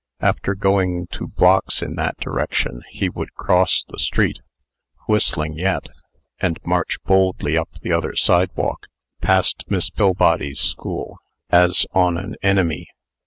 After going two blocks in that direction, he would cross the street, whistling yet, and march boldly up the other sidewalk, past Miss Pillbody's school, as on an enemy.